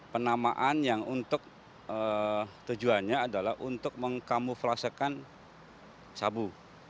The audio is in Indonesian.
penamaan yang untuk tujuannya adalah untuk mengkamuflasekan sabu